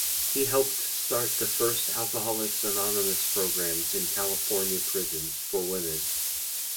He helped start the first Alcoholics Anonymous programs in California prisons for women.